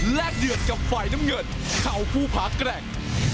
เดือดกับฝ่ายน้ำเงินเข่าภูผาแกร่ง